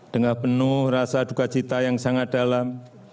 dengan penuh rasa dukacita yang sangat dalam